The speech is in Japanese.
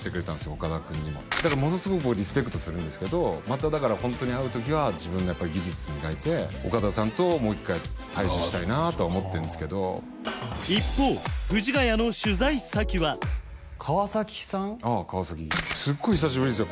岡田君にもだからものすごくリスペクトするんですけどまただからホントに会う時は自分のやっぱり技術磨いて岡田さんともう一回対峙したいなと思ってるんですけど一方川さんああ川すごい久しぶりですよ